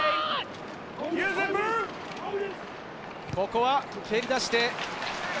ここは蹴り出して。